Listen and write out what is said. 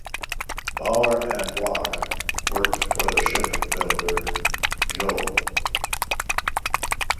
Bauer and Wach worked for the shipbuilder Joh.